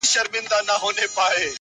دي مــــړ ســي!